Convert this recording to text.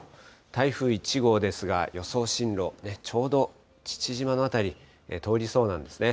台風１号ですが、予想進路、ちょうど父島の辺り、通りそうなんですね。